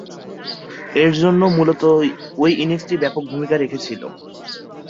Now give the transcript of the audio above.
এরজন্য মূলতঃ ঐ ইনিংসটি ব্যাপক ভূমিকা রেখেছিল।